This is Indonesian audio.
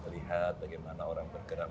lihat bagaimana orang bergerak